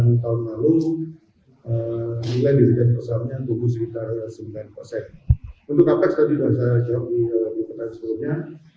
meskipun angka depannya ini pada saatnya akan kita rilis laporan q satu kita di dua ribu dua puluh satu pada saatnya